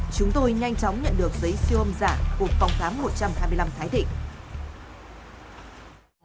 chúng tôi nhanh chóng nhận được giấy siêu âm giả của phòng khám một trăm hai mươi năm thái thịnh